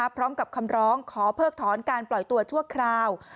พร้อมกับคำร้องขอเพิกถอนการปล่อยตัวชั่วคราว